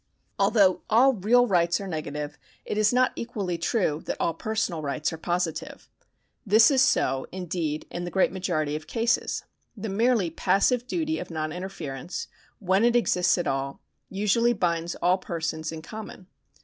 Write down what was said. Although all real rights are negative, it is not equally true that all personal rights are positive. This is so, indeed, in the great majority of cases. The merely passive duty of non interference, when it exists at all, usually binds all persons in common.